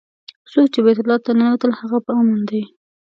څوک چې بیت الله ته ننوت هغه په امن دی.